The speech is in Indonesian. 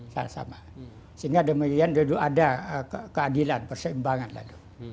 sehingga demikian ada keadilan berseimbangan lalu